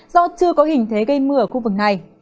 do chưa có hình thế gây mưa ở khu vực này